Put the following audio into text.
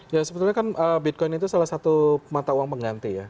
ya sebetulnya kan bitcoin itu salah satu mata uang pengganti ya